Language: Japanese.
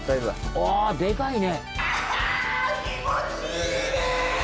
あ、でかいね。